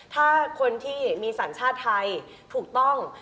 ถ้าคนที่มีสัญชาติไทยถูกต้อง